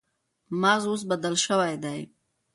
مغز اوس بدل شوی دی.